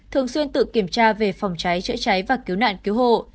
thường xuyên tự kiểm tra về phòng cháy chữa cháy và cứu nạn cứu hộ